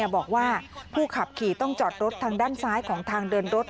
บอกว่าผู้ขับขี่ต้องจอดรถทางด้านซ้ายของทางเดินรถ